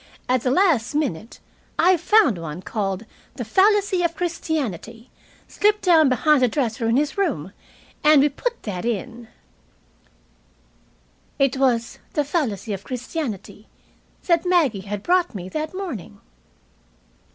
At the last minute I found one called 'The Fallacy of Christianity' slipped down behind the dresser in his room, and we put that in." It was "The Fallacy of Christianity" that Maggie had brought me that morning.